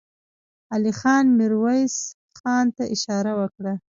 علی خان ميرويس خان ته اشاره وکړه.